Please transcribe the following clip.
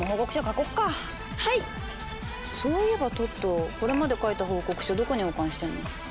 そういえばトットこれまで書いた報告書どこに保管してんの？